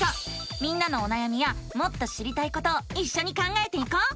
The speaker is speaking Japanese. みんなのおなやみやもっと知りたいことをいっしょに考えていこう！